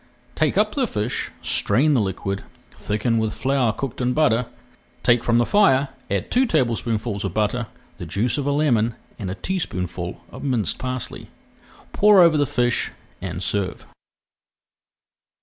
Take up the fish, strain the liquid, thicken with flour cooked in butter, take from the fire, add two tablespoonfuls of butter, the juice of a lemon and a teaspoonful of minced parsley. Pour over the fish and serve.